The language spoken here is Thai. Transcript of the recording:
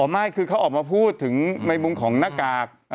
ไม่คือเขาออกมาพูดถึงในมุมของหน้ากาก